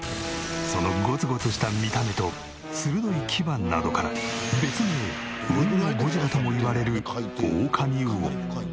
そのゴツゴツした見た目と鋭い牙などから別名海のゴジラともいわれるオオカミウオ。